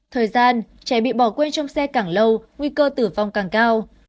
thời gian trẻ bị bỏ quê trong xe càng lâu nguy cơ tử vong càng cao